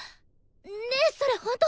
ねえそれほんと？